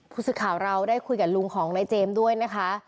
ผู้สื่อข่าวเราได้คุยกับลุงของนายเจมส์ด้วยนะคะ